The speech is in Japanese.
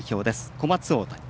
小松大谷。